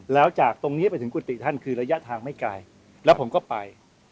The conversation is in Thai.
แล้วจากตรงนี้ไปถึงกุฏิท่านคือระยะทางไม่ไกลแล้วผมก็ไป